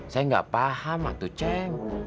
saya gak paham atu ceng